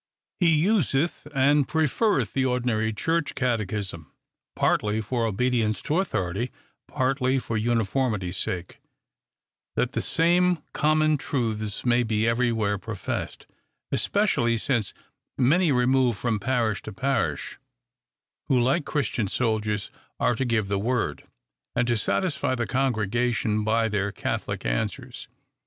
He useth and preferreth the ordinary church cate chism ; partly for obedience to authority, partly for uniformity sake, that the same common truths may be every where professed ; especially since many remove from parish to parish, who like Christian soldiers are to give the word, and to satisfy the congregation by their catholic answers.